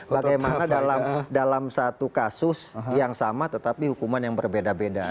bagaimana dalam satu kasus yang sama tetapi hukuman yang berbeda beda